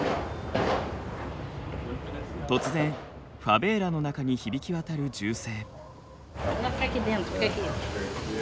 突然ファベーラの中に響き渡る銃声。